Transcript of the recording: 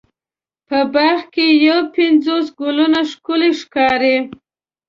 په باغ کې یو پنځوس ګلونه ښکلې ښکاري.